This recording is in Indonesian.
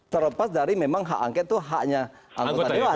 terlepas dari memang hak angket itu haknya anggota dewan